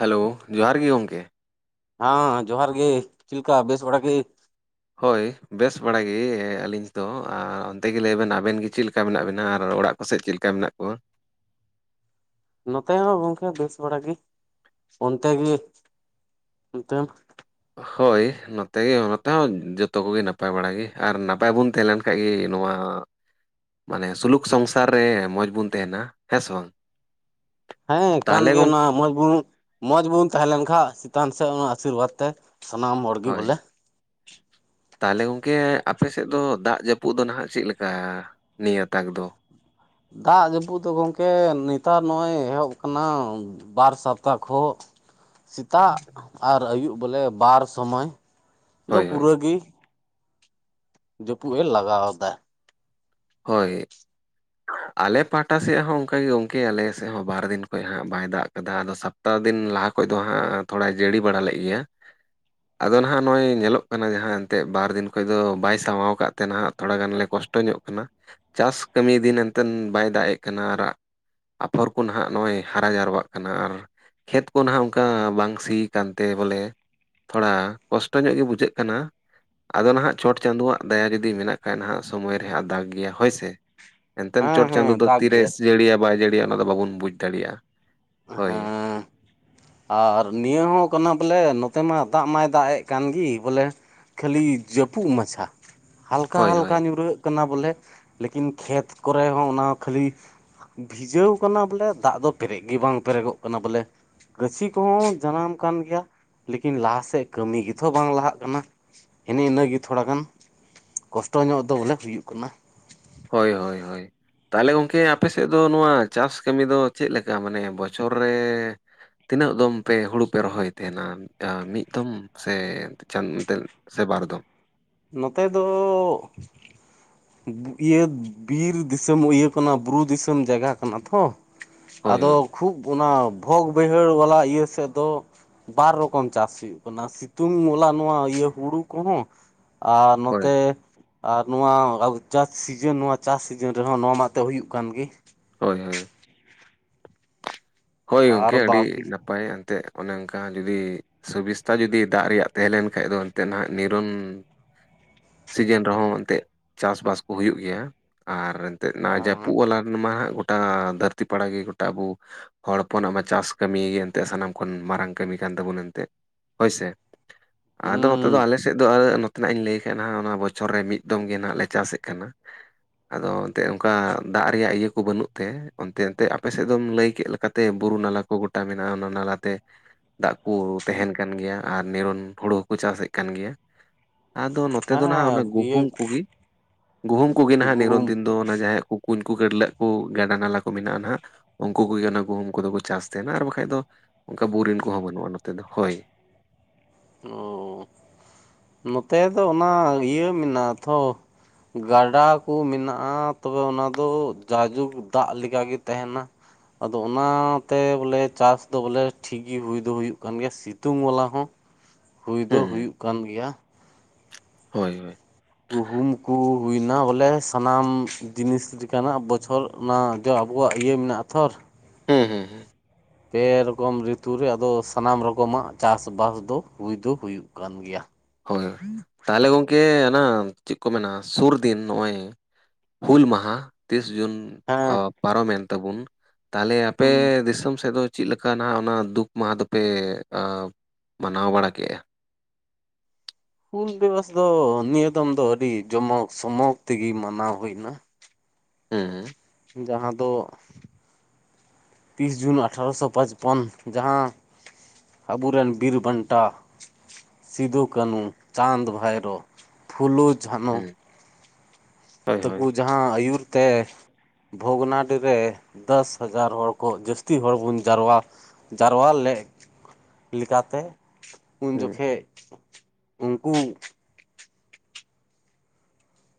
Hello ᱡᱚᱦᱟᱨ ᱜᱮ ᱜᱚᱢᱠᱮ ᱦᱚᱸ ᱡᱚᱦᱟᱨ ᱜᱤ ᱪᱮᱫ ᱞᱮᱠᱟ ᱵᱮᱥ ᱵᱟᱲᱟ ᱜᱤ ᱦᱳᱭ ᱵᱮᱥ ᱵᱟᱲᱟ ᱜᱮ ᱟᱹᱞᱤᱧ ᱫᱚ ᱟᱨ ᱚᱱᱛᱮ ᱜᱮ ᱞᱟᱹᱭ ᱵᱮᱱ ᱟᱵᱮᱱ ᱜᱮ ᱪᱮᱫ ᱞᱮᱠᱟ ᱢᱮᱱᱟᱜ ᱵᱮᱱᱟ ᱟᱨ ᱚᱲᱟᱜ ᱠᱚ ᱠᱚᱥᱮᱫ ᱪᱮᱫ ᱞᱮᱠᱟ ᱢᱮᱱᱟᱜ ᱠᱚᱣᱟ ᱱᱚᱛᱮ ᱦᱚᱸ ᱜᱚᱝᱠᱮ ᱵᱮᱥ ᱵᱟᱲᱟ ᱜᱮ ᱚᱱᱛᱮ ᱜᱮ ᱚᱱᱛᱮ ᱦᱳᱭ ᱱᱚᱛᱮ ᱜᱮ ᱱᱚᱛᱮ ᱦᱚᱸ ᱡᱚᱛᱚ ᱠᱚᱜᱮ ᱱᱟᱯᱟᱭ ᱵᱟᱲᱟ ᱜᱮ ᱟᱨ ᱱᱟᱯᱟᱭ ᱵᱚᱱ ᱛᱟᱦᱮᱸ ᱞᱮᱱ ᱦᱮᱸᱜᱤ ᱱᱚᱣᱟ ᱢᱟᱱᱮ ᱥᱩᱞᱩᱠ ᱥᱚᱝᱥᱟᱨ ᱨᱮ ᱢᱚᱸᱡᱽ ᱵᱩᱱ ᱛᱟᱦᱮᱱᱟ ᱦᱮᱸ ᱥᱮ ᱵᱟᱝ? ᱦᱮᱸ ᱠᱟᱱ ᱛᱟᱦᱚᱞᱮ ᱜᱮ ᱜᱚᱝ ᱚᱱᱟ ᱢᱚᱸᱡᱽ ᱵᱩᱱ ᱢᱚᱸᱡᱽ ᱵᱩᱱ ᱛᱟᱦᱮᱸ ᱞᱮᱱᱠᱷᱟᱱ ᱪᱮᱛᱟᱱ ᱥᱮᱫ ᱚᱱᱟ ᱟᱥᱤᱨᱵᱟᱫᱽ ᱛᱮ ᱥᱟᱱᱟᱢ ᱦᱚᱲ ᱜᱤ ᱦᱳᱭ ᱵᱚᱞᱮ ᱛᱟᱦᱚᱞᱮ ᱜᱚᱝᱠᱮ ᱟᱯᱮᱥᱮᱫ ᱫᱚ ᱫᱟᱜ ᱡᱟᱹᱯᱩᱫ ᱫᱚ ᱱᱟᱦᱟᱸᱜ ᱪᱮᱫ ᱞᱮᱠᱟ ᱱᱤᱭᱟᱹᱛᱟᱠ ᱫᱚ? ᱫᱟᱜ ᱡᱟᱹᱯᱩᱫ ᱫᱚ ᱜᱚᱝᱠᱮ ᱱᱮᱛᱟᱨ ᱱᱚᱜᱼᱚᱭ ᱮᱦᱚᱵ ᱠᱟᱱᱟ᱾ ᱵᱟᱨ ᱥᱟᱯᱛᱟ ᱠᱷᱚᱜ ᱥᱮᱛᱟᱜ ᱟᱨ ᱟᱹᱭᱩᱵ ᱵᱚᱞᱮ ᱵᱟᱨ ᱥᱚᱢᱚᱭ᱾ ᱫᱚ ᱦᱳᱭ ᱦᱳᱭ ᱯᱩᱨᱟᱹᱜᱤ ᱡᱟᱹᱯᱩᱫ ᱮ ᱞᱟᱜᱟᱣ ᱫᱟ᱾ ᱦᱳᱭ ᱟᱞᱮ ᱯᱟᱦᱚᱴᱟ ᱥᱮᱫ ᱦᱚᱸ ᱚᱱᱠᱟ ᱜᱮ ᱜᱚᱝᱠᱮ ᱟᱞᱮ ᱥᱮᱫ ᱦᱚᱸ ᱵᱟᱨ ᱫᱤᱱ ᱠᱷᱚᱱ ᱦᱟᱸᱜ ᱵᱟᱭ ᱫᱟᱜ ᱠᱟᱫᱟ᱾ᱟᱫᱚ ᱦᱟᱯᱛᱟ ᱫᱤᱱ ᱞᱟᱦᱟ ᱠᱷᱚᱡ ᱫᱚ ᱦᱟᱸᱜ ᱛᱷᱚᱲᱟᱭ ᱡᱟᱹᱲᱤ ᱵᱟᱲᱟ ᱞᱮᱫ ᱜᱮᱭᱟ᱾ ᱟᱫᱚ ᱱᱟᱦᱟᱜ ᱱᱚᱜᱼᱚᱭ ᱧᱮᱞᱚᱜ ᱠᱟᱱᱟ᱾ ᱡᱟᱦᱟᱸ ᱮᱱᱛᱮᱫ ᱵᱟᱨ ᱫᱤᱱ ᱠᱷᱚᱡ ᱫᱚ ᱵᱟᱭ ᱥᱟᱢᱟᱣ ᱟᱠᱟᱫ ᱛᱮ ᱱᱟᱦᱟᱜ ᱛᱷᱚᱲᱟ ᱜᱟᱱᱞᱮ ᱠᱚᱥᱴᱚ ᱧᱚᱜ ᱠᱟᱱᱟ, ᱪᱟᱥ ᱠᱟᱹᱢᱤ ᱫᱤᱱ ᱮᱱᱛᱮᱫ ᱵᱟᱭ ᱫᱟᱜ ᱮᱫ ᱠᱟᱱᱟ ᱟᱨ ᱟᱯᱷᱚᱨ ᱠᱚ ᱱᱟᱦᱟᱜ ᱱᱚᱜ-ᱚᱭ ᱦᱟᱨᱟ ᱡᱟᱣᱨᱟᱜ ᱠᱟᱱᱟ ᱟᱨ ᱠᱷᱮᱛ ᱠᱚ ᱱᱟᱦᱟᱜ ᱚᱱᱠᱟ ᱵᱟᱝ ᱥᱤ ᱠᱟᱱᱛᱮ ᱵᱚᱞᱮ ᱛᱷᱚᱲᱟ ᱠᱚᱥᱴᱚ ᱧᱚᱜ ᱜᱮ ᱵᱩᱡᱷᱟᱹᱜ ᱠᱟᱱᱟ᱾ ᱟᱫᱚ ᱱᱟᱦᱟᱜ ᱪᱚᱴ ᱪᱟᱸᱫᱩᱣᱟᱜ ᱫᱟᱭᱟ ᱡᱩᱫᱤ ᱢᱮᱱᱟᱜ ᱠᱷᱟᱱ ᱱᱟᱦᱟᱜ ᱥᱚᱢᱚᱭ ᱨᱮ ᱦᱟᱜ ᱫᱟᱜ ᱜᱮᱭᱟ ᱦᱳᱭ ᱥᱮ ᱾ ᱮᱱᱛᱮ ᱦᱮᱸ ᱪᱚᱴ ᱦᱮᱸ ᱪᱟᱸᱫᱩ ᱫᱚ ᱫᱟᱜ ᱛᱤᱨᱮ ᱜᱮᱭᱟᱭ ᱡᱟᱹᱲᱤᱭᱟ ᱵᱟᱭ ᱡᱟᱹᱲᱤᱭᱟ ᱚᱱᱟ ᱫᱚ ᱵᱟᱵᱚᱱ ᱵᱩᱡ ᱫᱟᱲᱮᱭᱟᱜᱼᱟ ᱦᱳᱭ ᱦᱮᱸ ᱟᱨ ᱱᱤᱭᱟᱹ ᱦᱚᱸ ᱠᱟᱱᱟ ᱵᱚᱞᱮ ᱱᱚᱛᱮ ᱢᱟ ᱫᱟᱜ ᱢᱟᱭ ᱫᱟᱜ ᱮᱜ ᱠᱟᱱ ᱜᱮ ᱵᱚᱞᱮ ᱠᱷᱟᱹᱞᱤ ᱡᱟᱹᱯᱩᱫ ᱢᱟᱪᱷᱟ ᱦᱟᱞᱠᱟ ᱦᱳᱭ ᱦᱳᱭ ᱦᱟᱞᱠᱟ ᱧᱩᱨᱦᱟᱹᱜ ᱠᱟᱱᱟ ᱵᱚᱞᱮ ᱞᱮᱠᱤᱱ ᱠᱷᱮᱛ ᱠᱚᱨᱮ ᱦᱚᱸ ᱚᱱᱟ ᱠᱷᱟᱹᱞᱤ ᱵᱷᱤᱡᱟᱹᱣ ᱠᱟᱱᱟ ᱵᱚᱞᱮ ᱫᱟᱜ ᱫᱚ ᱯᱮᱨᱮᱡ ᱜᱮ ᱵᱟᱝ ᱯᱮᱨᱮᱡᱚᱜ ᱠᱟᱱᱟ ᱵᱚᱞᱮ ᱜᱟᱹᱪᱷᱤ ᱠᱚᱦᱚᱸ ᱡᱟᱱᱟᱢ ᱠᱟᱱ ᱜᱮᱭᱟ᱾ᱞᱮᱠᱤᱱ ᱞᱟᱦᱟᱥᱮᱫ ᱠᱟᱹᱢᱤ ᱜᱮᱛᱚ ᱵᱟᱝ ᱞᱟᱦᱟᱜ ᱠᱟᱱᱟ᱾ ᱮᱱᱮ ᱤᱱᱟᱹᱜᱮ ᱛᱷᱚᱲᱟᱜᱟᱱ ᱠᱚᱥᱴᱚ ᱧᱚᱜ ᱫᱚ ᱵᱚᱞᱮ ᱦᱩᱭᱩᱜ ᱠᱟᱱᱟ᱾ ᱦᱳᱭ ᱦᱳᱭ ᱦᱳᱭ ᱛᱟᱦᱚᱞᱮ ᱜᱚᱢᱠᱮ ᱟᱯᱮ ᱥᱮᱫ ᱫᱚ ᱱᱚᱣᱟ ᱪᱟᱥ ᱠᱟᱹᱢᱤ ᱫᱚ ᱪᱮᱫ ᱞᱮᱠᱟ ᱢᱟᱱᱮ ᱵᱚᱪᱷᱚᱨ ᱨᱮ ᱛᱤᱱᱟᱹᱜ ᱫᱚᱢ ᱯᱮ ᱦᱩᱲᱩ ᱯᱮ ᱨᱚᱦᱚᱭ ᱛᱟᱦᱮᱱᱟ ᱢᱤᱫ ᱫᱚᱢ ᱥᱮ ᱥᱮ ᱵᱟᱨ ᱫᱚᱢ ᱱᱚᱛᱮ ᱫᱚ ᱤᱭᱟᱹ ᱵᱤᱨ ᱫᱤᱥᱚᱢ ᱤᱭᱟᱹ ᱠᱟᱱᱟ ᱵᱩᱨᱩ ᱫᱤᱥᱚᱢ ᱡᱟᱭᱜᱟ ᱠᱟᱱᱟ ᱛᱚ ᱦᱳᱭ ᱟᱫᱚ ᱦᱳᱭ ᱠᱷᱩᱵ ᱚᱱᱟ ᱵᱷᱚᱜᱽ ᱵᱟᱹᱭᱦᱟᱹᱲ ᱵᱟᱞᱟ ᱤᱭᱟᱹ ᱥᱮᱫ ᱫᱚ ᱵᱟᱨ ᱨᱚᱠᱚᱢ ᱪᱟᱥ ᱦᱩᱭᱩᱜ ᱠᱟᱱᱟ, ᱥᱤᱛᱩᱝ ᱢᱚᱞᱟ ᱱᱚᱣᱟ ᱤᱭᱟᱹ ᱦᱩᱲᱩ ᱠᱚᱦᱚᱸ᱾ ᱟᱨ ᱦᱳᱭ ᱱᱚᱛᱮ ᱟᱨ ᱱᱚᱣᱟ ᱟᱵᱚ ᱪᱟᱥ ᱥᱤᱡᱚᱱ ᱱᱚᱣᱟ ᱪᱟᱥ ᱥᱤᱡᱚᱱ ᱨᱮᱦᱚᱸ ᱱᱚᱣᱟ ᱢᱟ ᱛᱮ ᱦᱩᱭᱩᱜ ᱠᱟᱱ ᱜᱮ᱾ ᱦᱳᱭ ᱦᱳᱭ᱾ ᱦᱳᱭ ᱟᱨ ᱜᱚᱝᱠᱮ ᱟᱹᱰᱤ ᱵᱟᱠᱤ ᱱᱟᱯᱟᱭ ᱮᱱᱛᱮᱫ ᱚᱱᱮ ᱚᱱᱠᱟ ᱡᱩᱫᱤ᱾ ᱥᱩᱵᱤᱥᱛᱟ ᱡᱩᱫᱤ ᱫᱟᱜ ᱨᱮᱭᱟᱜ ᱛᱟᱦᱮᱸ ᱞᱮᱱᱠᱷᱟᱡ ᱫᱚ ᱮᱱᱛᱮ ᱱᱟᱦᱟᱜ ᱱᱤᱨᱚᱱ ᱥᱤᱡᱮᱱ ᱨᱮᱦᱚᱸ ᱮᱱᱛᱮᱜ ᱪᱟᱥ ᱵᱟᱥ ᱠᱚ ᱦᱩᱭᱩᱜ ᱜᱮᱭᱟ᱾ ᱟᱨ ᱱᱚᱣᱟ ᱦᱮᱸ ᱡᱟᱹᱯᱩᱜ ᱵᱟᱞᱟ ᱨᱮᱱ ᱢᱟ ᱦᱟᱸᱜ ᱜᱳᱴᱟ ᱫᱷᱟᱹᱨᱛᱤ ᱯᱟᱲᱟ ᱜᱮ ᱜᱚᱴᱟ ᱵᱚ ᱦᱚᱲ ᱦᱚᱯᱚᱱᱟᱜ ᱢᱟ ᱪᱟᱥ ᱠᱟᱹᱢᱤ ᱜᱮ ᱮᱱᱛᱮ ᱥᱟᱱᱟᱢ ᱠᱷᱚᱱ ᱢᱟᱨᱟᱝ ᱠᱟᱹᱢᱤ ᱠᱟᱱ ᱛᱟᱵᱚᱱᱟ ᱮᱱᱛᱮ, ᱦᱳᱭ ᱥᱮ᱾ ᱟᱫᱚ ᱱᱚᱛᱮ ᱫᱚ ᱦᱩᱸ ᱟᱞᱮ ᱥᱮᱫ ᱫᱚ ᱛᱤᱱᱟᱜ ᱤᱧ ᱞᱟᱹᱭ ᱠᱟᱱᱟ ᱵᱚᱪᱷᱚᱨ ᱨᱮ ᱢᱤᱫ ᱫᱚᱢ ᱜᱮ ᱱᱟᱜ ᱞᱮ ᱪᱟᱥᱮᱫ ᱠᱟᱱᱟ᱾ ᱟᱫᱚ ᱮᱱᱛᱮ ᱚᱱᱠᱟ ᱫᱟᱜ ᱨᱮᱭᱟᱜ ᱤᱭᱟᱹ ᱠᱚ ᱵᱟᱹᱱᱩᱜ ᱛᱮ ᱚᱱᱛᱮ ᱮᱱᱛᱮ ᱟᱯᱮᱥᱮᱫ ᱫᱚᱢ ᱞᱟᱹᱭ ᱠᱮᱫ ᱞᱮᱠᱟ᱾ ᱛᱮ ᱵᱩᱨᱩ ᱱᱟᱞᱟ ᱠᱚ ᱜᱚᱴᱟ ᱢᱮᱱᱟᱜ-ᱟ ᱚᱱᱟ ᱱᱟᱞᱟ ᱛᱮ ᱫᱟᱜ ᱠᱚ ᱛᱟᱦᱮᱱ ᱠᱟᱱ ᱜᱮᱭᱟ᱾ ᱟᱨ ᱱᱤᱨᱚᱱ ᱦᱳᱲᱳ ᱦᱚᱸᱠᱚ ᱪᱟᱥᱮᱫ ᱠᱟᱱ ᱜᱮᱭᱟ᱾ ᱟᱫᱚ ᱱᱚᱛᱮ ᱫᱚ ᱱᱟᱦᱟᱜ ᱦᱮᱸ ᱚᱱᱟ ᱤᱭᱟᱹ ᱜᱩᱦᱩᱢ ᱠᱩᱜᱮ, ᱜᱩᱦᱩᱢ ᱠᱩᱜᱮ ᱱᱟᱦᱟᱜ ᱱᱤᱨᱚᱱ ᱜᱩᱦᱩᱢ ᱫᱤᱱ ᱫᱚ᱾ ᱫᱚ ᱚᱱᱟ ᱡᱟᱦᱟᱸᱟᱭᱟᱜ ᱠᱩ-ᱠᱩᱧ ᱠᱚ ᱠᱟᱰᱞᱟᱹᱜ ᱠᱚ ᱜᱟᱰᱟ ᱱᱟᱞᱟ ᱠᱚ ᱢᱮᱱᱟᱜᱼᱟ ᱱᱟᱦᱟᱜ, ᱩᱱᱠᱩ ᱠᱚᱜᱮ ᱚᱱᱟ ᱜᱩᱦᱩᱢ᱾ ᱩᱱᱠᱩ ᱫᱚᱠᱚ ᱪᱟᱥ ᱛᱟᱦᱮᱱᱟ, ᱟᱨ ᱵᱟᱠᱷᱟᱡ ᱫᱚ ᱚᱱᱠᱟ ᱵᱳᱨᱤᱝ ᱠᱚᱦᱚᱸ ᱵᱟᱹᱱᱩᱜᱼᱟ ᱱᱚᱛᱮ ᱫᱚ ᱦᱳᱭ᱾ ᱚᱻ ᱱᱚᱛᱮ ᱫᱚ ᱚᱱᱟ ᱤᱭᱟᱹ ᱢᱮᱱᱟᱜᱼᱟ ᱛᱷᱚ᱾ ᱜᱟᱰᱟ ᱠᱚ ᱢᱮᱱᱟᱜᱼᱟ, ᱛᱚᱵᱮ ᱚᱱᱟ ᱫᱚ ᱡᱟᱭᱡᱩᱜᱽ ᱫᱟᱜ ᱞᱮᱠᱟ ᱜᱮ ᱛᱟᱦᱮᱱᱟ᱾ ᱟᱫᱚ ᱚᱱᱟᱛᱮ ᱵᱚᱞᱮ ᱪᱟᱥ ᱫᱚ ᱵᱚᱞᱮ ᱴᱷᱤᱠ ᱜᱤ ᱦᱩᱭ ᱫᱚ ᱦᱩᱭᱩᱜ ᱠᱟᱱ ᱜᱮᱭᱟ ᱥᱤᱛᱩᱝ ᱵᱟᱞᱟ ᱦᱚᱸ᱾ ᱦᱩᱭ ᱫᱚ ᱦᱩᱸ ᱦᱩᱭᱩᱜ ᱠᱟᱱ ᱜᱮᱭᱟ᱾ ᱦᱳᱭ ᱦᱳᱭ᱾ ᱜᱩᱦᱩᱢ ᱠᱚ᱾ ᱦᱩᱭ ᱮᱱᱟ ᱵᱚᱞᱮ ᱥᱟᱱᱟᱢ ᱡᱤᱱᱤᱥ ᱞᱮᱠᱟᱱᱟᱜ ᱵᱚᱪᱷᱚᱨ ᱚᱱᱟ ᱡᱚ ᱟᱵᱚᱣᱟᱜ ᱤᱭᱟᱹ ᱢᱮᱱᱟᱜᱼᱟ ᱛᱷᱚᱨ᱾ ᱦᱮᱸ ᱦᱮᱸ ᱦᱮᱸ᱾ ᱯᱮ ᱨᱚᱠᱚᱢ ᱨᱤᱛᱩ ᱨᱮ ᱟᱫᱚ ᱥᱟᱱᱟᱢ ᱨᱚᱠᱚᱢᱟᱜ ᱪᱟᱥᱵᱟᱥ ᱫᱚ ᱦᱩᱭ ᱫᱚ ᱦᱩᱭᱩᱜ ᱠᱟᱱ ᱜᱮᱭᱟ᱾ ᱦᱳᱭ, ᱛᱟᱦᱚᱞᱮ ᱜᱚᱢᱠᱮ ᱦᱟᱱᱟ ᱪᱮᱫ ᱠᱚ ᱢᱮᱱᱟ ᱥᱩᱨ ᱫᱤᱱ ᱱᱚᱜᱼᱚᱭ- ᱦᱩᱞ ᱢᱟᱦᱟ ᱛᱤᱥ ᱡᱩᱱ ᱚᱻ ᱦᱮᱸ ᱯᱟᱨᱚᱢᱮᱱ ᱛᱟᱵᱚᱱ ᱛᱟᱦᱞᱮ ᱟᱯᱮ ᱦᱩᱸ ᱫᱤᱥᱚᱢ ᱥᱮᱫ ᱫᱚ ᱪᱮᱫ ᱞᱮᱠᱟ ᱱᱷᱟᱜ ᱚᱱᱟ ᱫᱩᱠ ᱢᱟᱦᱟᱸ ᱫᱚᱯᱮ ᱢᱟᱱᱟᱣ ᱵᱟᱲᱟ ᱠᱮᱜᱼᱟ? ᱦᱩᱞ ᱫᱤᱵᱚᱥ ᱫᱚ ᱱᱤᱭᱟᱹ ᱫᱚᱢ ᱫᱚ ᱟᱹᱰᱤ ᱡᱚᱢᱚᱠ ᱥᱚᱢᱚᱠ ᱛᱮᱜᱮ ᱢᱟᱱᱟᱣ ᱦᱩᱭᱱᱟ᱾ ᱦᱮᱸ ᱦᱮᱸ᱾ ᱡᱟᱦᱟᱸ ᱫᱚ ᱛᱤᱨᱤᱥ ᱡᱩᱱ ᱟᱴᱷᱨᱚᱥᱚ ᱯᱟᱸᱪᱯᱚᱱ ᱡᱟᱦᱟᱸ ᱟᱵᱚᱨᱮᱱ ᱵᱤᱨ ᱵᱟᱱᱴᱟ ᱥᱤᱫᱩᱼᱠᱟᱹᱱᱦᱩ, ᱪᱟᱸᱫᱽᱼᱵᱷᱟᱭᱨᱳ᱾ ᱯᱷᱩᱞᱩ ᱡᱷᱟᱱᱚ ᱦᱩᱸ ᱦᱳᱭ ᱦᱳᱭ ᱛᱮᱠᱚ ᱡᱟᱦᱟᱸ ᱟᱹᱭᱩᱨ ᱛᱮ᱾ ᱵᱷᱚᱜᱽᱱᱟᱰᱤ ᱨᱮ ᱫᱚᱥ ᱦᱟᱡᱟᱨ ᱦᱚᱲ ᱠᱚ ᱡᱟᱹᱥᱛᱤ ᱦᱚᱲ ᱵᱚᱱ ᱡᱟᱨᱣᱟ ᱡᱟᱨᱣᱟ ᱞᱮᱜ ᱞᱮᱠᱟᱛᱮ ᱩᱱ ᱦᱩᱸ ᱡᱚᱠᱷᱮᱡ ᱩᱱᱠᱩ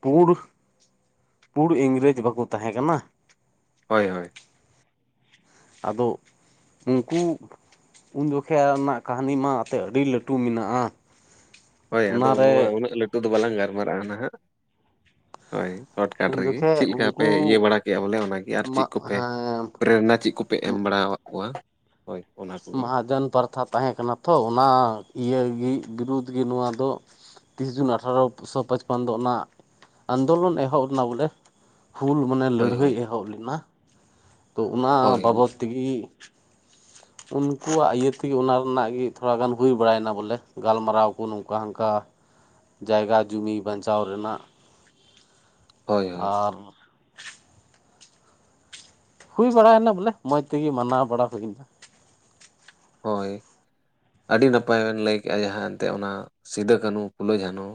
ᱯᱩᱸᱲ ᱯᱩᱲ ᱤᱝᱨᱮᱡᱽ ᱵᱟᱠᱚ ᱛᱟᱦᱮᱸ ᱠᱟᱱᱟ? ᱦᱳᱭ ᱦᱳᱭ᱾ ᱟᱫᱚ ᱩᱱᱠᱩ ᱩᱱ ᱡᱚᱠᱷᱮᱭᱟᱜ ᱨᱮᱱᱟᱜ ᱠᱟᱹᱦᱱᱤ ᱢᱟ ᱟᱛᱮᱫ ᱟᱹᱰᱤ ᱞᱟᱹᱴᱩ ᱢᱮᱱᱟᱜᱼᱟ᱾ ᱦᱳᱭ ᱟᱫᱚ ᱚᱱᱟᱨᱮ ᱱᱚᱣᱟ ᱩᱱᱟᱹᱜ ᱞᱟᱹᱴᱩ ᱫᱚ ᱵᱟᱞᱟᱝ ᱜᱟᱨᱢᱟᱨᱟᱜᱼᱟ ᱱᱷᱟᱜ ᱦᱳᱭ ᱥᱚᱨᱴᱠᱟᱴ ᱩᱱ ᱨᱮᱜᱮ ᱡᱚᱠᱷᱮᱡ ᱪᱮᱫ ᱞᱮᱠᱟ ᱯᱮ ᱩᱱᱠᱩ ᱤᱭᱟᱹ ᱵᱟᱲᱟ ᱠᱮᱜᱼᱟ ᱵᱚᱞᱮ ᱚᱱᱟᱜᱮ ᱟᱨ ᱪᱮᱫ ᱢᱟᱜ ᱠᱚᱯᱮ ᱦᱮᱸ ᱯᱨᱮᱱᱟ ᱪᱮᱫ ᱠᱚᱯᱮ ᱯᱮ ᱮᱢ ᱵᱟᱲᱟᱣᱟᱜ ᱠᱚᱣᱟ᱾ ᱦᱳᱭ ᱚᱱᱟ ᱠᱚᱜᱮ ᱢᱚᱦᱟᱡᱚᱱ ᱯᱟᱨᱛᱷᱟ ᱛᱟᱦᱮᱸ ᱠᱟᱱᱟ ᱛᱚ, ᱚᱱᱟ ᱤᱭᱟᱹᱜᱤ ᱵᱤᱨᱩᱫᱽ ᱜᱮ ᱱᱚᱣᱟ ᱫᱚ᱾ ᱛᱤᱥ ᱡᱩᱱ ᱟᱴᱷᱮᱨᱳᱥᱚ ᱯᱟᱸᱪᱯᱚᱱ ᱫᱚ ᱚᱱᱟ ᱟᱱᱫᱳᱞᱚᱱ ᱮᱦᱚᱵ ᱞᱮᱱᱟ ᱵᱚᱞᱮ᱾ ᱦᱩᱞ ᱢᱟᱱᱮ ᱦᱳᱭ ᱞᱟᱹᱲᱦᱟᱹᱭ ᱦᱳᱭ ᱮᱦᱚᱵ ᱞᱮᱱᱟ ᱛᱚ ᱚᱱᱟ ᱦᱳᱭ ᱵᱟᱵᱚᱛ ᱛᱮᱜᱮ ᱩᱱᱠᱩᱣᱟᱜ ᱤᱭᱟᱹ ᱛᱮᱜᱮ ᱚᱱᱟ ᱨᱮᱱᱟᱜ ᱜᱮ ᱛᱷᱚᱲᱟ ᱜᱟᱱ ᱦᱩᱭ ᱵᱟᱲᱟᱭᱱᱟ ᱵᱚᱞᱮ, ᱜᱟᱞᱢᱟᱨᱟᱣ ᱠᱚ ᱱᱚᱝᱠᱟ ᱦᱟᱱᱠᱟ᱾ ᱡᱟᱭᱜᱟ ᱡᱩᱢᱤ ᱵᱟᱧᱪᱟᱣ ᱨᱮᱱᱟᱜ᱾ ᱦᱳᱭ ᱦᱳᱭ ᱟᱨ᱾ ᱦᱩᱭ ᱵᱟᱲᱟᱭᱮᱱᱟ ᱵᱚᱞᱮ ᱢᱚᱡ ᱛᱮᱜᱮ ᱢᱟᱱᱟᱣ ᱵᱟᱲᱟ ᱦᱩᱭᱱᱟ᱾ ᱦᱳᱭ᱾ ᱟᱹᱰᱤ ᱱᱟᱯᱟᱭ ᱵᱮᱱ ᱞᱟᱹᱭ ᱠᱮᱜᱼᱟ ᱡᱟᱦᱟᱸ ᱮᱱᱛᱮᱫ ᱚᱱᱟ ᱥᱤᱫᱩ ᱠᱟᱹᱱᱦᱩ ᱯᱷᱩᱞᱚ ᱡᱷᱟᱱᱳ᱾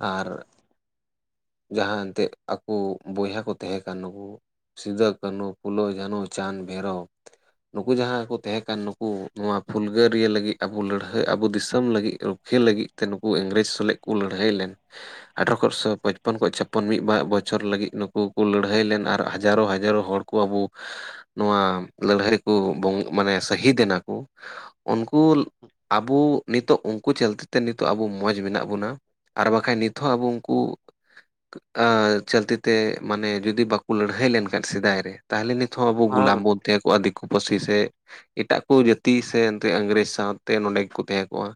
ᱟᱨ᱾ ᱡᱟᱦᱟᱸ ᱮᱱᱛᱮᱜ ᱟᱠᱚ ᱵᱚᱭᱦᱟ ᱠᱚ ᱛᱟᱦᱮᱸ ᱠᱟᱱ ᱱᱩᱠᱩ᱾ ᱥᱤᱫᱩ ᱠᱟᱹᱱᱦᱩ ᱯᱷᱩᱞᱚ ᱡᱷᱟᱱᱚ ᱪᱟᱸᱫᱽ ᱵᱷᱟᱹᱭᱨᱚᱵᱽ᱾ ᱱᱩᱠᱩ ᱡᱟᱦᱟᱸ ᱠᱚ ᱛᱟᱦᱮᱸ ᱠᱟᱱ ᱱᱩᱠᱩ ᱱᱚᱣᱟ ᱯᱷᱩᱞᱜᱟᱹᱨᱤᱭᱟᱹ ᱞᱟᱹᱜᱤᱫ ᱟᱵᱩ ᱞᱟᱹᱲᱦᱟᱹᱭ ᱟᱵᱚ ᱫᱤᱥᱚᱢ ᱞᱟᱹᱜᱤᱫ᱾ ᱞᱟᱹᱜᱤᱫ ᱛᱮ ᱱᱩᱠᱩ ᱤᱝᱨᱮᱡᱽ ᱥᱟᱞᱮᱫ ᱠᱚ ᱞᱟᱹᱲᱦᱟᱹᱭ ᱞᱮᱱ ᱟᱴᱷᱮᱨᱚ [unintelligible] ᱥᱚ ᱪᱷᱚᱯᱚᱱ ᱠᱷᱚᱱ ᱪᱷᱚᱯᱚᱱ ᱢᱤᱫ ᱵᱟᱨ ᱵᱚᱪᱷᱚᱨ ᱞᱟᱹᱜᱤᱫ ᱱᱩᱠᱩ ᱠᱚ ᱞᱟᱹᱲᱦᱟᱹᱭ ᱞᱮᱱ ᱟᱨ ᱦᱟᱡᱟᱨᱚ ᱦᱟᱡᱟᱨᱚ ᱦᱚᱲ ᱠᱚ ᱟᱵᱚ ᱱᱚᱣᱟ ᱞᱟᱹᱲᱦᱟᱹᱭ ᱠᱚ ᱢᱟᱱᱮ ᱥᱟᱹᱦᱤᱫ ᱮᱱᱟ ᱠᱚ᱾ ᱩᱱᱠᱩ ᱟᱵᱚ ᱱᱤᱛᱚᱜ ᱩᱱᱠᱩ ᱪᱟᱹᱞᱛᱮ ᱛᱮ ᱱᱤᱛᱚᱜ ᱟᱵᱚ ᱢᱚᱡᱽ ᱢᱮᱱᱟᱜ ᱵᱚᱱᱟ ᱟᱨ ᱵᱟᱝᱠᱷᱟᱡ ᱱᱤᱛ ᱦᱚᱸ ᱟᱵᱚ ᱩᱱᱠᱩ ᱟᱻ ᱪᱟᱹᱞᱛᱤ ᱛᱮ ᱢᱟᱱᱮ ᱡᱩᱫᱤ ᱵᱟᱠᱚ ᱞᱟᱹᱲᱦᱟᱹᱭ ᱞᱮᱱᱠᱷᱟᱱ ᱥᱮᱫᱟᱭ ᱨᱮ ᱛᱟᱦᱚᱞᱮ ᱱᱤᱛ ᱦᱚᱸ ᱟᱵᱚ ᱦᱮᱸ ᱜᱳᱞᱟᱢ ᱵᱚᱱ ᱛᱟᱦᱮᱸ ᱠᱚᱜᱼᱟ ᱫᱤᱠᱩ ᱯᱟᱹᱥᱤ ᱥᱮ ᱮᱴᱟᱜ ᱠᱚ ᱡᱟᱹᱛᱤ ᱥᱮ ᱮᱱᱛᱮ ᱤᱝᱨᱮᱡᱽ ᱥᱟᱶᱛᱮ ᱱᱚᱸᱰᱮ ᱜᱮᱠᱚ ᱛᱟᱦᱮᱸ ᱠᱚᱜᱼᱟ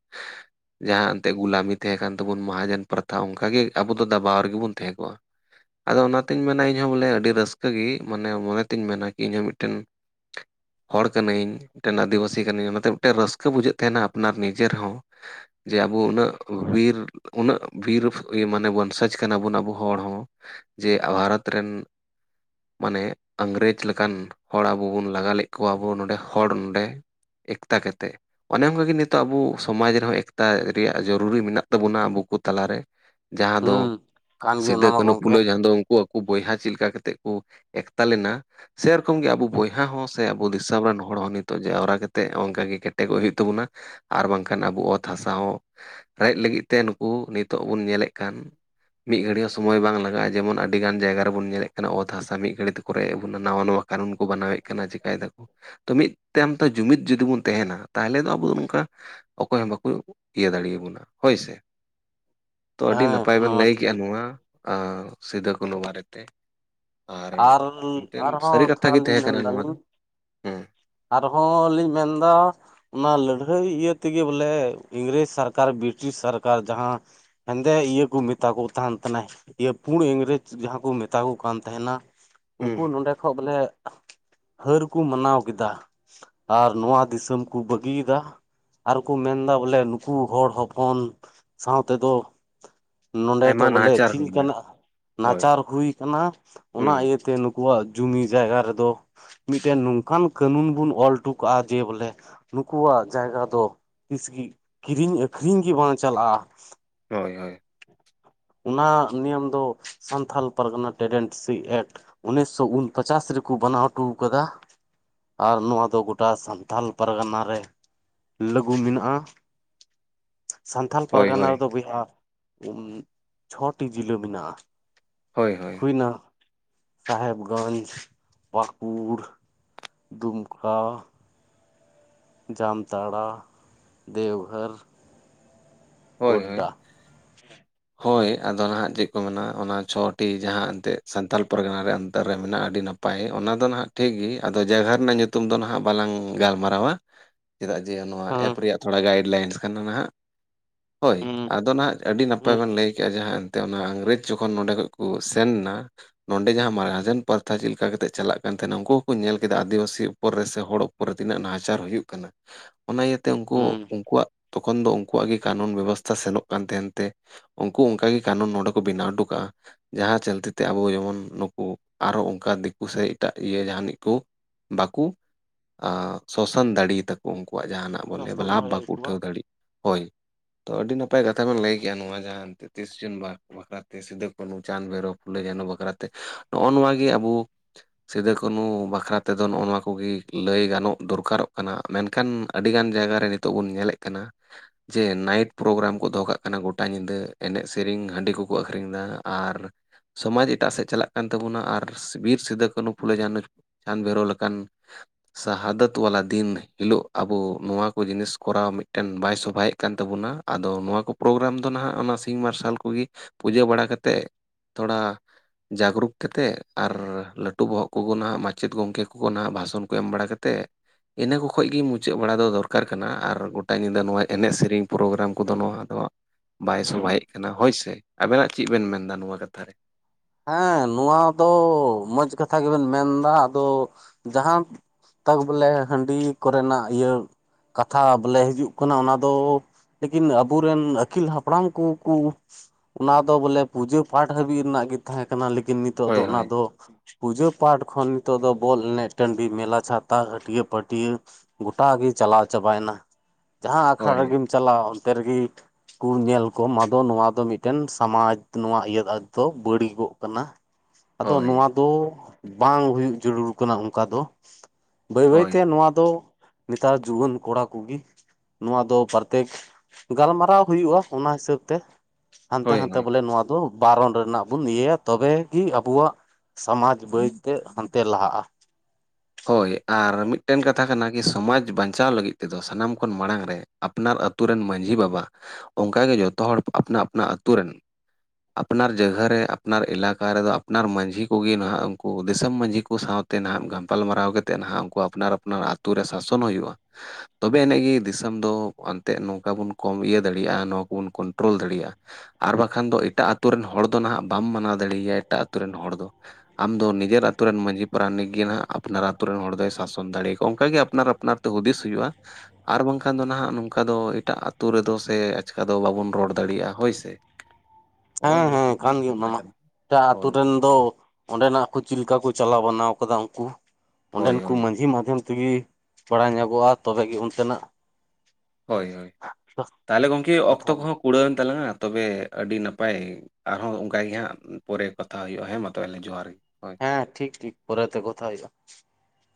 ᱡᱟᱦᱟ ᱮᱱᱛᱮᱜ ᱜᱩᱞᱟᱢᱤ ᱛᱟᱦᱮᱸᱠᱟᱱ ᱛᱟᱵᱚᱱ ᱢᱟᱦᱟᱡᱚᱱ ᱯᱟᱨᱟᱛᱷᱟ ᱚᱱᱠᱟ ᱜᱮ ᱟᱵᱚ ᱫᱚ᱾ ᱫᱟᱵᱟᱣ ᱨᱮᱜᱮᱵᱚᱱ ᱛᱟᱦᱮᱸ ᱠᱚᱜᱼᱟ᱾ ᱟᱫᱚ ᱚᱱᱟᱛᱤᱧ ᱢᱮᱱᱟ ᱤᱧᱦᱚᱸ ᱵᱚᱞᱮ ᱟᱹᱰᱤ ᱨᱟᱹᱥᱠᱟᱹ ᱜᱮ ᱢᱟᱱᱮ ᱢᱚᱱᱮ ᱛᱤᱧ ᱢᱮᱱᱟ ᱠᱤ ᱤᱧᱦᱚᱸ ᱢᱤᱫᱴᱮᱱ ᱦᱚᱲ ᱠᱟᱹᱱᱟᱹᱧ ᱢᱤᱫᱴᱮᱱ ᱟᱹᱫᱤᱵᱟᱹᱥᱤ ᱠᱟᱹᱱᱟᱹᱧ ᱚᱱᱟᱛᱮ ᱴᱮ ᱨᱟᱹᱥᱠᱟᱹ ᱵᱩᱡᱷᱟᱹᱜ ᱛᱟᱦᱮᱱᱟ ᱟᱯᱱᱟᱨ ᱱᱤᱡᱮᱨ ᱦᱚᱸ᱾ ᱡᱮ ᱟᱵᱚ ᱩᱱᱟᱹᱜ ᱵᱤᱨ ᱩᱱᱟᱹᱜ ᱵᱤᱨ ᱢᱟᱱᱮ ᱵᱚᱱ ᱥᱟᱹᱪ ᱠᱟᱱᱟᱵᱚᱱ ᱟᱵᱚ ᱦᱚᱲ ᱦᱚᱸ ᱡᱮ ᱟᱨᱚᱛ ᱨᱮᱱ ᱢᱟᱱᱮ ᱟᱝᱨᱮᱡᱽ ᱞᱮᱠᱟᱱ ᱦᱚᱲ ᱟᱵᱚ ᱵᱚᱱ ᱞᱟᱜᱟ ᱞᱮᱫ ᱠᱚᱣᱟᱵᱚ ᱱᱚᱰᱮ ᱦᱚᱲ ᱱᱚᱰᱮ᱾ ᱮᱠᱛᱟ ᱠᱟᱛᱮᱜ᱾ ᱚᱱᱮ ᱚᱱᱠᱟᱜᱮ ᱱᱤᱛᱚᱜ ᱟᱵᱚ ᱥᱚᱢᱟᱡᱽ ᱨᱮᱦᱚᱸ ᱮᱠᱛᱟ ᱨᱮᱭᱟᱜ ᱡᱚᱨᱩᱨᱤ ᱢᱮᱱᱟᱜ ᱛᱟᱵᱚᱱᱟ ᱟᱵᱚ ᱠᱚ ᱛᱟᱞᱟᱨᱮ᱾ ᱡᱟᱦᱟ ᱫᱚ, ᱦᱩᱸ ᱠᱟᱱ ᱜᱮ ᱚᱱᱟ ᱥᱤᱫᱟᱹ, ᱢᱟ ᱠᱟᱹᱱᱩ, ᱜᱚᱝᱠᱮ ᱯᱷᱩᱞᱟᱹ ᱡᱷᱟᱫᱚ ᱩᱝᱠᱩ [unintelligible] ᱵᱚᱭᱦᱟ ᱪᱤᱞᱠᱟ ᱠᱟᱛᱮᱜ ᱠᱚ ᱮᱠᱛᱟ ᱞᱮᱱᱟ᱾ ᱥᱮᱨᱚᱠᱚᱢ ᱜᱮ ᱟᱵᱚ ᱵᱚᱭᱦᱟ ᱦᱚᱸ ᱥᱮ ᱟᱵᱚ ᱫᱤᱥᱚᱢ ᱨᱮᱱ ᱦᱚᱲ ᱦᱚᱸ ᱱᱤᱛᱚᱜ ᱡᱟᱣᱨᱟ ᱠᱟᱛᱮᱜ ᱚᱱᱠᱟ ᱜᱮ ᱠᱮᱴᱮᱜᱚᱜ ᱦᱳᱭᱳᱜ ᱛᱟᱵᱚᱱᱟ᱾ ᱟᱨ ᱵᱟᱝᱠᱷᱟᱱ ᱟᱵᱚ ᱚᱛ ᱦᱟᱥᱟ ᱦᱚᱸ, ᱨᱮᱜ ᱞᱟᱹᱜᱤᱫ ᱛᱮ ᱱᱩᱠᱩ ᱱᱤᱛᱚᱜ ᱵᱚᱱ ᱧᱮᱞᱮᱜ ᱠᱟᱱ᱾ ᱢᱤᱫ ᱜᱷᱟᱹᱲᱤᱡ ᱦᱚᱸ ᱥᱚᱢᱚᱭ ᱵᱟᱝ ᱞᱟᱜᱟᱜᱼᱟ ᱡᱮᱢᱚᱱ ᱟᱹᱰᱤ ᱜᱟᱱ ᱡᱟᱭᱜᱟ ᱨᱮᱵᱚᱱ ᱧᱮᱞᱮᱫ ᱠᱟᱱᱟ ᱚᱛ ᱦᱟᱥᱟ ᱢᱤᱫ ᱜᱷᱟᱲᱤ ᱛᱮᱠᱚ ᱨᱮᱜ ᱮ ᱵᱚᱱᱟ ᱱᱟᱣᱟ ᱱᱟᱣᱟ ᱠᱟᱱᱩᱱ ᱠᱚ ᱵᱟᱱᱟᱣᱮᱜ ᱠᱟᱱᱟ ᱪᱤᱠᱟᱭ ᱫᱟᱠᱚ ᱛᱚ ᱢᱤᱫ ᱛᱮᱢᱛᱮ ᱡᱩᱢᱤᱫ ᱡᱩᱫᱤ ᱵᱚᱱ ᱛᱟᱦᱮᱱᱟ ᱛᱟᱦᱚᱞᱮ ᱫᱚ ᱟᱵᱚ ᱫᱚ ᱱᱚᱝᱠᱟ ᱚᱠᱚᱭ ᱦᱚᱸ ᱵᱟᱠᱚ ᱤᱭᱟᱹ ᱫᱟᱲᱮᱭᱟ ᱵᱚᱱᱟ ᱦᱳᱭ ᱥᱮ᱾ ᱛᱚ ᱟᱹᱰᱤ ᱦᱮᱸ ᱱᱟᱯᱟᱭ ᱚᱱᱟ ᱵᱮᱱ ᱢᱟ ᱞᱟᱹᱭ ᱴᱷᱤᱠ ᱠᱮᱜᱼᱟ, ᱜᱮ ᱱᱚᱣᱟ ᱟᱸ ᱥᱤᱫᱟᱹ ᱠᱟᱹᱱᱩ ᱵᱟᱨᱮᱛ ᱛᱮ ᱟᱨ ᱴᱮᱱ ᱟᱨᱦᱚᱸ ᱥᱟᱹᱨᱤ ᱠᱟᱛᱷᱟ ᱛᱷᱚᱲᱟ ᱜᱮ ᱛᱟᱦᱮᱸ ᱠᱟᱱᱟ ᱱᱚᱣᱟ ᱫᱚ ᱦᱩᱸ᱾ ᱟᱨ ᱦᱚᱸ ᱞᱤᱧ ᱢᱮᱱᱫᱟ ᱚᱱᱟ ᱞᱟᱹᱲᱦᱟᱹᱭ ᱤᱭᱟᱹ ᱛᱮᱜᱮ ᱵᱚᱞᱮ ᱤᱝᱨᱮᱡᱽ ᱥᱚᱨᱠᱟᱨ ᱵᱨᱤᱴᱤᱥ ᱥᱚᱨᱠᱟᱨ ᱡᱟᱦᱟᱸ ᱦᱮᱸᱫᱮ ᱤᱭᱟᱹ ᱠᱚ ᱢᱮᱛᱟ ᱠᱚ ᱛᱟᱦᱮᱱ ᱛᱷᱮᱱᱟ ᱤᱭᱟᱹ ᱯᱩᱲ ᱤᱝᱨᱮᱡᱽ ᱡᱟᱦᱟᱸ ᱠᱚ ᱢᱮᱛᱟ ᱠᱚ ᱠᱟᱱ ᱛᱟᱦᱮᱱᱟ᱾ ᱦᱩᱸ ᱩᱝᱠᱩ ᱱᱚᱸᱰᱮ ᱠᱷᱚ ᱵᱚᱞᱮ ᱦᱟᱹᱨ ᱠᱚ ᱢᱟᱱᱟᱣ ᱜᱤᱫᱟ ᱟᱨ ᱱᱚᱣᱟ ᱫᱤᱥᱚᱢ ᱠᱚ ᱵᱟᱹᱜᱤᱭᱟᱫᱟ᱾ ᱟᱨ ᱠᱚ ᱢᱮᱱ ᱫᱟ ᱵᱚᱞᱮ ᱱᱩᱠᱩ ᱦᱚᱲ ᱦᱚᱯᱚᱱ ᱥᱟᱶ ᱛᱮᱫᱚ ᱱᱚᱰᱮ ᱫᱚ ᱟᱭᱢᱟ ᱵᱚᱞᱮ ᱱᱟᱦᱟᱪᱟᱨ ᱪᱤᱜ ᱦᱩᱭᱱᱟ ᱠᱟᱱᱟᱜ ᱦᱳᱭ ᱱᱟᱪᱟᱨ ᱦᱩᱭ ᱠᱟᱱᱟ ᱚᱱᱟ ᱦᱩᱸ ᱤᱭᱟᱹᱛᱮ ᱱᱩᱠ ᱠᱚᱣᱟᱜ ᱡᱩᱢᱤ ᱡᱟᱭᱜᱟ ᱨᱮᱫᱚ ᱢᱤᱫᱴᱮᱱ ᱱᱚᱝᱠᱟᱱ ᱠᱟᱹᱱᱩᱱ ᱵᱚᱱ ᱚᱞ ᱴᱚᱠᱟᱜᱼᱟ ᱡᱮ ᱵᱚᱞᱮ ᱱᱩᱠᱩᱣᱟᱜ ᱡᱟᱭᱜᱟ ᱫᱚ ᱛᱤᱥᱜᱮ ᱠᱤᱨᱤᱧ ᱟᱹᱠᱷᱨᱤᱧ ᱜᱮ ᱵᱟᱝ ᱪᱟᱞᱟᱜᱼᱟ᱾ ᱦᱳᱭ ᱦᱳᱭ᱾ ᱚᱱᱟ ᱱᱤᱭᱚᱢ ᱫᱚ ᱥᱟᱱᱛᱷᱟᱞ ᱯᱟᱨᱜᱟᱱᱟ ᱴᱮᱰᱮᱱᱥᱤ ᱮᱠᱴ᱾ ᱩᱱᱤᱥᱚ ᱩᱱᱯᱚᱪᱟᱥ ᱨᱮᱠᱚ ᱵᱮᱱᱟᱣ ᱴᱩ ᱠᱟᱫᱟ᱾ ᱟᱨ ᱱᱚᱣᱟ ᱫᱚ ᱜᱚᱴᱟ ᱥᱟᱱᱛᱟᱞ ᱯᱟᱨᱜᱟᱱᱟ ᱨᱮ ᱞᱟᱹᱜᱩ ᱢᱮᱱᱟᱜᱼᱟ᱾ ᱥᱟᱱᱛᱷᱟᱲ ᱦᱳᱭ ᱯᱟᱨᱜᱟᱱᱟ ᱦᱳᱭ ᱨᱮᱫᱚ ᱵᱚᱭᱦᱟ, ᱪᱷᱚᱴᱤ ᱡᱤᱞᱟᱹ ᱢᱮᱱᱟᱜᱼᱟ᱾ ᱦᱳᱭ ᱦᱳᱭ ᱦᱳᱭ ᱛᱤᱱᱟᱹ ᱥᱟᱦᱮᱵᱽᱜᱚᱧᱡᱽ, ᱯᱟᱸᱠᱩᱲ ᱫᱩᱢᱠᱟ ᱡᱟᱢᱛᱟᱲᱟ, ᱫᱮᱣᱜᱷᱚᱨ᱾ ᱦᱳᱭ ᱦᱳᱭ᱾ ᱦᱳᱭ ᱟᱫᱚ ᱱᱟᱦᱟᱜ ᱪᱮᱫ ᱠᱚ ᱢᱮᱱᱟ ᱚᱱᱟ ᱪᱷᱚᱴᱤ ᱡᱟᱦᱟᱸ ᱮᱱᱛᱮᱫ ᱥᱟᱱᱛᱟᱞ ᱯᱚᱨᱜᱟᱱᱟ ᱨᱮ ᱚᱱᱛ ᱨᱮ ᱢᱮᱱᱟᱜᱼᱟ ᱟᱹᱰᱤ ᱱᱟᱯ ᱯᱟᱭᱮ ᱚᱱᱟ ᱫᱚ ᱦᱟᱸᱜ ᱴᱷᱤᱠ ᱜᱤ ᱟᱫᱚ ᱡᱟᱭᱜᱟ ᱨᱮᱱᱟᱜ ᱧᱩᱛᱩᱢ ᱫᱚ ᱦᱟᱸᱜ ᱵᱟᱞᱟᱝ ᱜᱟᱞᱢᱟᱨᱟᱣᱟ᱾ ᱪᱤᱫᱟᱜ ᱡᱮ ᱱᱚᱣᱟ ᱮᱯ ᱨᱮᱭᱟᱜ ᱛᱷᱚᱲᱟ ᱜᱟᱭᱤᱰ ᱞᱟᱭᱤᱱᱥ ᱠᱟᱱᱟ ᱱᱟᱦᱟᱜ᱾ ᱦᱳᱭ ᱟᱫᱚ ᱱᱟᱦᱟᱜ ᱟᱹᱰᱤ ᱱᱟᱯᱟᱭ ᱵᱮᱱ ᱞᱟᱹᱭ ᱠᱮᱜᱼᱟ ᱡᱟᱦᱟ᱾ ᱛᱮ ᱚᱱᱟ ᱟᱝᱨᱮᱡᱽ ᱡᱚᱠᱷᱚᱱ ᱱᱚᱸᱰᱮ ᱠᱷᱚᱱ ᱠᱚ ᱥᱮᱱ ᱱᱟ᱾ ᱱᱚᱸᱰᱮ ᱡᱟᱦᱟᱸ ᱢᱟᱨᱟᱡᱚᱱ ᱯᱚᱨᱛᱷᱟ ᱪᱮᱫ ᱞᱮᱠᱟ ᱠᱟᱛᱮᱛ ᱪᱟᱞᱟᱜ ᱠᱟᱱ ᱛᱟᱦᱮᱱᱟ ᱩᱝᱠᱩ ᱦᱚᱸᱠᱚ ᱧᱮᱞ ᱠᱮᱫᱟ ᱟᱹᱫᱤᱵᱟᱹᱥᱤ ᱩᱯᱚᱨ ᱨᱮ ᱥᱮ ᱦᱚᱲ ᱯᱚᱨᱮ ᱛᱤᱱᱟᱹᱜ ᱱᱟᱦᱟᱪᱟᱨ ᱦᱩᱭᱩᱜ ᱠᱟᱱᱟ ᱚᱱᱟ ᱤᱭᱟᱹᱛᱮ ᱩᱱᱠᱩ ᱩᱱᱠᱩᱣᱟᱜ ᱛᱚᱠᱷᱚᱱ ᱫᱚ ᱩᱱᱠᱩᱣᱟᱜ ᱜᱮ ᱠᱟᱹᱱᱩᱱ ᱵᱮᱵᱚᱥᱛᱷᱟ ᱥᱮᱱᱚᱜ ᱠᱟᱱ ᱛᱟᱦᱮᱱ ᱛᱮ ᱩᱱᱠᱩ ᱚᱱᱠᱟᱜᱮ ᱠᱟᱹᱱᱩᱱ ᱱᱚᱰᱮ ᱠᱚ ᱵᱮᱱᱟᱣ ᱦᱚᱴᱚ ᱠᱟᱜᱼᱟ᱾ ᱡᱟᱦᱟᱸ ᱪᱚᱞᱛᱤᱛᱮ ᱟᱵᱚ ᱡᱮᱢᱚᱱ ᱱᱩᱠᱩ ᱟᱨᱚ ᱚᱱᱠᱟ ᱫᱤᱠᱩ ᱥᱮ ᱮᱴᱟᱜ ᱤᱭᱟᱹ ᱡᱟᱦᱟᱱᱤᱡ ᱠᱚ ᱵᱟᱠᱩ ᱥᱳᱥᱟᱱ ᱫᱟᱲᱤ ᱛᱟᱠᱚ ᱩᱝᱠᱩᱣᱟᱜ ᱡᱟᱦᱟᱱᱟᱜ᱾ ᱵᱚᱞᱮ ᱵᱷᱟᱞᱟ ᱵᱟᱠᱚ ᱩᱴᱷᱟᱹᱣ ᱫᱟᱲᱮᱜ ᱦᱳᱭ᱾ ᱛᱚ ᱟᱹᱰᱤ ᱱᱟᱯᱟᱭ ᱠᱟᱛᱷᱟ ᱵᱮᱱ ᱞᱟᱹᱭ ᱠᱮᱜᱼᱟ, ᱱᱚᱣᱟ ᱡᱟᱦᱟᱸ ᱛᱤᱥ ᱡᱩᱱ ᱵᱟᱠᱷᱨᱟ ᱛᱮ᱾ ᱥᱤᱫᱩ, ᱠᱟᱱᱩ, ᱪᱟᱸᱫᱽ, ᱵᱷᱚᱭᱨᱚᱵ, ᱯᱷᱩᱞᱟᱹ, ᱡᱷᱟᱱᱚ ᱵᱟᱠᱷᱨᱟᱛᱮ ᱱᱚᱜᱼᱚ ᱱᱚᱼᱚ ᱱᱚᱣᱟᱜᱮ ᱟᱵᱩ ᱥᱤᱫᱟᱹ-ᱠᱟᱹᱱᱩ ᱵᱟᱠᱷᱨᱟ ᱛᱮᱫᱚ ᱱᱚᱜᱼᱚ ᱱᱚᱣᱟ ᱠᱚᱜᱮ ᱞᱟᱹᱭ ᱜᱟᱱᱚᱜ ᱫᱚᱨᱠᱟᱨᱚᱜ ᱠᱟᱱᱟ ᱢᱮᱱᱠᱷᱟᱱ ᱟᱹᱰᱤ ᱜᱟᱱ ᱡᱟᱭᱜᱟ ᱨᱮ ᱱᱤᱛᱚᱜ ᱵᱚᱱ ᱧᱮᱞᱮᱫ ᱠᱟᱱᱟ᱾ ᱡᱮ ᱱᱟᱭᱤᱴ ᱯᱨᱳᱜᱨᱟᱢ ᱠᱚ ᱫᱚᱦᱚ ᱠᱟᱜ ᱠᱟᱱᱟ ᱜᱳᱴᱟ ᱧᱤᱫᱟᱹ ᱮᱱᱮᱡ ᱥᱮᱨᱮᱧ ᱦᱟᱺᱰᱤ ᱠᱚᱠᱚ ᱟᱹᱠᱷᱨᱤᱧ ᱫᱟ ᱟᱨ ᱥᱚᱢᱟᱡᱽ ᱮᱴᱟᱜ ᱥᱮᱫ ᱪᱟᱞᱟᱜ ᱠᱟᱱ ᱛᱟᱵᱩᱱᱟ ᱟᱨ ᱵᱤᱨ ᱥᱤᱫᱩ-ᱠᱟᱹᱱᱩ, ᱯᱷᱩᱞᱟᱹ-ᱡᱷᱟᱱᱚ [unintelligible] ᱞᱮᱠᱟᱱ ᱥᱟᱦᱟᱫᱚᱛ ᱵᱟᱞᱟ ᱫᱤᱱ ᱦᱤᱞᱳᱜ ᱟᱵᱚ ᱱᱚᱣᱟ ᱠᱚ ᱡᱤᱱᱤᱥ ᱠᱚᱨᱟᱣ ᱢᱤᱫ ᱢᱤᱫᱴᱮᱱ ᱵᱟᱭ ᱥᱚᱵᱷᱟᱭᱮᱫ ᱠᱟᱱ ᱛᱟᱵᱚᱱᱟ ᱟᱫᱚ ᱱᱚᱣᱟ ᱠᱚ ᱯᱨᱳᱜᱨᱟᱢ ᱫᱚ ᱱᱟᱦᱟᱜ ᱚᱱᱟ ᱥᱤᱧ ᱢᱟᱨᱥᱟᱞ ᱠᱚᱜᱮ ᱯᱩᱡᱟᱹ ᱵᱟᱲᱟ ᱠᱟᱛᱮᱫ ᱛᱷᱚᱲᱟ ᱡᱟᱜᱽᱨᱩᱠ ᱠᱟᱛᱮᱫ ᱟᱨ ᱞᱟᱹᱴᱩ ᱵᱚᱦᱚᱜ ᱠᱚᱜ ᱦᱟᱸᱜ ᱢᱟᱪᱮᱫ ᱜᱚᱢᱠᱮ ᱠᱚᱠᱚ ᱦᱟᱸᱜ ᱵᱷᱟᱥᱚᱱ ᱠᱚ ᱮᱢ ᱵᱟᱲᱟ ᱠᱟᱛᱮᱫ ᱤᱱᱟᱹ ᱠᱚ ᱠᱷᱚᱡ ᱜᱮ ᱢᱩᱪᱟᱹᱫ ᱵᱟᱲᱟ ᱫᱚ ᱫᱚᱨᱠᱟᱨ ᱠᱟᱱᱟ ᱟᱨ ᱜᱚᱴᱟ ᱧᱤᱫᱟᱹ ᱱᱚᱣᱟ ᱮᱱᱮᱡ ᱥᱮᱨᱮᱧ ᱯᱨᱳᱜᱨᱟᱢ ᱠᱚᱫᱚ ᱱᱚᱣᱟ ᱫᱚ ᱵᱟᱭ ᱥᱚᱵᱷᱟᱭᱮᱫ ᱠᱟᱱᱟ ᱦᱳᱭᱥᱮ ᱟᱵᱮᱱᱟᱜ ᱪᱮᱫ ᱵᱮᱱ ᱢᱮᱱᱫᱟ ᱱᱚᱣᱟ ᱠᱟᱛᱷᱟ ᱨᱮ? ᱦᱮᱸ ᱱᱚᱣᱟ ᱫᱚ ᱢᱚᱡᱽ ᱠᱟᱛᱷᱟ ᱜᱮᱵᱮᱱ ᱢᱮᱱᱫᱟ ᱟᱫᱚ ᱡᱟᱦᱟᱸ ᱛ ᱵᱚᱞᱮ ᱦᱟᱺᱰᱤ ᱠᱚᱨᱮᱱᱟᱜ ᱤᱭᱟᱹ ᱠᱟᱛᱷᱟ ᱵᱚᱞᱮ ᱦᱤᱡᱩᱜ ᱠᱟᱱᱟ ᱚᱱᱟ ᱫᱚ ᱞᱮᱠᱤᱱ ᱟᱵᱚᱨᱮᱱ ᱟᱹᱜᱤᱞ ᱦᱟᱯᱲᱟᱢ ᱠᱚᱠᱚ ᱚᱱᱟ ᱫᱚ ᱵᱚᱞᱮ ᱯᱩᱡᱟᱹ ᱯᱟᱴ ᱦᱟᱹᱵᱤᱡ ᱨᱮᱱᱟᱜ ᱜᱮ ᱛᱟᱦᱮᱸ ᱠᱟᱱᱟ ᱞᱮᱠᱤᱱ ᱱᱤᱛᱚᱜ ᱦᱳᱭ ᱫᱚ ᱚᱱᱟ ᱦᱳᱭ ᱫᱚ ᱯᱩᱡᱟᱹ ᱯᱟᱴ ᱠᱷᱚᱱ ᱱᱤᱛᱚᱜ ᱫᱚ ᱵᱚᱞ ᱮᱱᱮᱡ ᱴᱟᱺᱰᱤ ᱢᱮᱞᱟ ᱪᱷᱟᱛᱟ ᱦᱟᱹᱴᱭᱟᱹ ᱯᱟᱹᱴᱭᱟᱹ ᱜᱚᱴᱟᱜᱮ ᱪᱟᱞᱟᱣ ᱪᱟᱵᱟᱭᱮᱱᱟ ᱡᱟᱦᱟᱸ ᱟᱠᱷᱲᱟ ᱦᱳᱭ ᱨᱮᱜᱮᱢ ᱪᱟᱞᱟᱣ ᱚᱱᱛᱮ ᱨᱮᱜᱮ ᱠᱚ ᱧᱮᱞ ᱠᱚ ᱟᱫᱚ ᱱᱚᱣᱟ ᱫᱚ ᱢᱤᱫᱴᱮᱱ ᱥᱚᱢᱟᱡᱽ ᱱᱚᱣᱟ ᱤᱭᱟᱹ ᱫᱚ ᱵᱟᱹᱲᱤᱡ ᱠᱟᱱᱟ ᱟᱫᱚ ᱦᱳᱭ ᱱᱚᱣᱟ ᱫᱚ ᱵᱟᱝ ᱦᱩᱭᱩᱜ ᱡᱟᱹᱨᱩᱲ ᱠᱟᱱᱟ ᱚᱱᱠᱟ ᱫᱚ᱾ ᱵᱟᱹᱭ ᱵᱟᱹᱭ ᱦᱳᱭ ᱛᱮ ᱱᱚᱣᱟ ᱫᱚ ᱱᱮᱛᱟᱨ ᱡᱩᱣᱟᱹᱱ ᱠᱚᱲᱟ ᱠᱚᱜᱮ ᱱᱚᱣᱟ ᱫᱚ ᱯᱨᱟᱛᱮᱠ ᱜᱟᱞᱢᱟᱨᱟᱣ ᱦᱩᱭᱩᱜᱼᱟ ᱚᱱᱟ ᱦᱤᱥᱟᱹᱵᱛᱮ ᱦᱟᱱᱛᱮ ᱦᱳᱭ ᱱᱟᱟᱱᱛᱮ ᱦᱳᱭ ᱵᱚᱞᱮ ᱱᱚᱣᱟ ᱫᱚ ᱵᱟᱨᱚᱱ ᱨᱮᱱᱟᱜ ᱵᱚᱱ ᱤᱭᱟᱹᱭᱟ ᱛᱚᱵᱮᱜᱮ ᱟᱵᱚᱣᱟᱜ ᱥᱚᱢᱟᱡᱽ ᱵᱟᱹᱭᱛᱮ ᱦᱟᱱᱛᱮ ᱞᱟᱦᱟᱜᱼᱟ᱾ ᱦᱳᱭ ᱟᱨ ᱢᱤᱫᱴᱮᱱ ᱠᱟᱛᱷᱟ ᱠᱟᱱᱟ ᱠᱤ ᱥᱚᱢᱟᱡᱽ ᱵᱟᱧᱪᱟᱣ ᱞᱟᱹᱜᱤᱫ ᱛᱮᱫᱚ ᱥᱟᱱᱟᱢ ᱠᱷᱚᱱ ᱢᱟᱲᱟᱝ ᱨᱮ ᱟᱯᱱᱟᱨᱛ ᱨᱮᱱ ᱢᱟᱺᱡᱷᱤ ᱵᱟᱵᱟ ᱚᱱᱠᱟᱜᱮ ᱡᱚᱛᱚ ᱦᱚᱲ ᱟᱯᱱᱟ ᱟᱯᱱᱟ ᱟᱹᱛᱩᱳ ᱨᱮᱱ ᱟᱯᱱᱟᱨ ᱡᱟᱜᱟ ᱨᱮ ᱟᱯᱱᱟᱨ ᱮᱞᱟᱠᱟ ᱨᱮᱫᱚ ᱟᱯᱱᱟᱨ ᱢᱟᱺᱡᱷᱤ ᱠᱚᱜᱮ ᱱᱟᱟᱜ ᱩᱱᱠᱩ ᱫᱤᱥᱚᱢ ᱢᱟᱺᱡᱷᱤ ᱠᱚ ᱥᱟᱶ ᱱᱟᱦᱟᱜ ᱜᱟᱞᱯᱟᱞ ᱢᱟᱨᱟᱨᱟᱣ ᱠᱟ ᱠᱟᱛᱮᱫ ᱱᱟᱜ ᱩᱱᱠᱩ ᱟᱯᱱᱟᱨ ᱟᱯᱱᱟᱨ ᱟᱛᱳ ᱨᱮ ᱥᱟᱥᱚᱱ ᱦᱩᱭᱩᱜᱼᱟ᱾ ᱛᱚᱵᱮ ᱟᱹᱱᱤᱡ ᱜᱮ ᱫᱤᱥᱚᱢ ᱫᱚ ᱮᱱᱛᱮᱜ ᱱᱚᱝᱠᱟ ᱵᱚᱱ ᱠᱚᱢ ᱤᱭᱟᱹ ᱫᱟᱲᱮᱭᱟᱜ-ᱟ ᱱᱚᱣᱟ ᱠᱚᱵᱚᱱ ᱠᱚᱱᱴᱨᱳᱞ ᱫᱟᱲᱮᱭᱟᱜ-ᱟ᱾ ᱟᱨ ᱵᱟᱠᱷᱟᱱ ᱫᱚ ᱮᱴᱟᱜ ᱟᱛᱳ ᱨᱮᱱ ᱦᱚᱲ ᱫᱚ ᱱᱟᱦᱟᱜ ᱵᱟᱢ ᱢᱟᱱᱟᱣ ᱫᱟᱲᱮᱭᱟᱭᱟ ᱮᱴᱟᱜ ᱟ ᱟᱹᱛᱳ ᱨᱮᱱ ᱦᱚᱲ ᱫᱚ᱾ ᱟᱢ ᱫᱚ ᱱᱤᱡᱮᱨ ᱟᱛᱩ ᱨᱮᱱ ᱢᱟᱺᱡᱷᱤ ᱯᱟᱨᱟᱱᱤᱠ ᱜᱮ ᱱᱷᱟᱜ ᱟᱯᱱᱟᱨ ᱟᱛᱳ ᱨᱮᱱ ᱦᱚᱲ ᱫᱚᱭ ᱥᱟᱥᱚᱱ ᱫᱟᱲᱮ ᱭᱟᱠᱚᱣᱟ ᱚᱱᱠᱟᱜ ᱜᱮ ᱟᱯᱱᱟᱨ ᱟᱯᱱᱟᱨ ᱛᱮ ᱦᱩᱫᱤᱥ ᱦᱩᱭᱩᱜ-ᱟ᱾ ᱟᱨ ᱵᱟᱝᱠᱷᱟᱱ ᱫᱚ ᱱᱟᱦᱟᱜ ᱱᱚᱝᱠᱟ ᱫᱚ ᱮᱴᱟᱜ ᱟᱛᱳ ᱨᱮᱫᱚ ᱥᱮ ᱟᱪᱠᱟ ᱫᱚ ᱵᱟᱵᱚᱱ ᱨᱚᱲ ᱫᱟᱲᱮᱭᱟᱜ-ᱟ ᱦᱳᱭ ᱥᱮ᱾ [inaudible] ᱱᱚᱜᱼᱚ ᱦᱮᱸ ᱱᱚᱣᱟ ᱦᱮᱸ ᱠᱚᱜᱮ ᱠᱟᱱ ᱜᱮ ᱠᱟᱛᱷᱟ ᱚᱱᱟᱢᱟ ᱠᱟᱱᱟ ᱮᱴᱟᱜ ᱟᱛᱳ ᱦᱳᱭ ᱨᱮᱱ ᱫᱚ ᱚᱸᱰᱮᱱᱟᱜ ᱟᱠᱚ ᱪᱮᱫ ᱞᱮᱠᱟ ᱠᱚ ᱪᱟᱞᱟᱣ ᱵᱟᱱᱟᱣ ᱟᱠᱟᱫᱟ ᱩᱱᱠᱩ ᱚᱸᱰᱮᱱ ᱦᱳᱭ ᱠᱚ ᱦᱳᱭ ᱢᱟᱡᱷᱤ ᱢᱟᱫᱷᱮᱢ ᱛᱮᱜᱮ ᱵᱟᱲᱟᱭ ᱧᱚᱜᱚᱜ-ᱟ ᱛᱚᱵᱮ ᱜᱮ ᱚᱱᱛᱮᱱᱟᱜ ᱦᱳᱭ ᱦᱳᱭ ᱛᱟᱦᱚᱞᱮ ᱜᱚᱢᱠᱮ ᱚᱠᱛᱚ ᱠᱟᱛᱷᱟ ᱫᱚ ᱠᱚᱦᱚᱸ ᱠᱩᱲᱟᱹᱣᱮᱱ ᱛᱟᱞᱟᱝ-ᱟ ᱛᱚᱵᱮ ᱟᱹᱰᱤ ᱱᱟᱯᱟᱭ ᱟᱨᱦᱚᱸ ᱚᱱᱠᱟ ᱜᱮ ᱦᱟᱸᱜ ᱯᱚᱨᱮ ᱠᱟᱛᱷᱟ ᱦᱩᱭᱩᱜ-ᱟ ᱦᱮᱸ ᱢᱟ ᱛᱟᱦᱚᱞᱮ ᱡᱚᱦᱟᱨ ᱜᱮ᱾ ᱦᱳᱭ᱾ ᱦᱮᱸ ᱴᱷᱤᱠ ᱴᱷᱤᱠ ᱯᱚᱨᱮᱛᱮ ᱠᱚᱛᱷᱟ ᱦᱩᱭᱩ ᱟ᱾